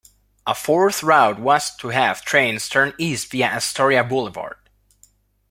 A fourth route was to have trains turn east via Astoria Boulevard.